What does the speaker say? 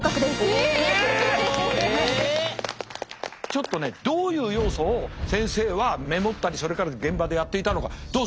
ちょっとねどういう要素を先生はメモったりそれから現場でやっていたのかどうぞ！